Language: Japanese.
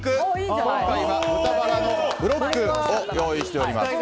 今回は豚バラのブロックを用意しております。